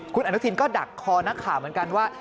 คุณอนุทินก็ดักคอนักข่าวเหมือนกันว่า